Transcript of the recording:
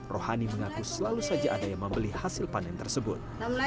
rohani mengaku selalu saja ada yang membeli hasil panen tersebut